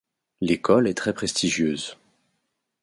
L'école est très prestigieuse.